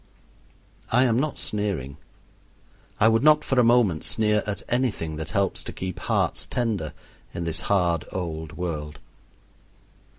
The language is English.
I am not sneering. I would not for a moment sneer at anything that helps to keep hearts tender in this hard old world.